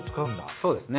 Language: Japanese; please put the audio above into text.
そうですね。